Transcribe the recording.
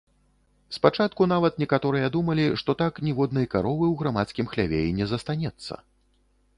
Спачатку нават некаторыя думалі, што так ніводнай каровы ў грамадскім хляве і не застанецца.